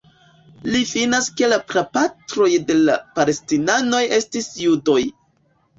Li finas ke la prapatroj de la Palestinanoj estis judoj.